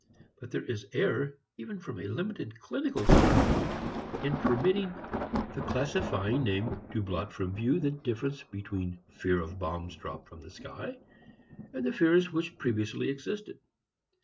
But there is error, even from a limited clinical standpoint, in permitting the classifying name to blot from view the difference between fear of bombs dropped from the sky and the fears which previously existed.